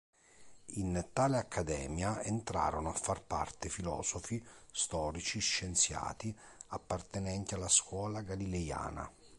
In tale accademia entrarono a far parte filosofi, storici, scienziati appartenenti alla scuola galileiana.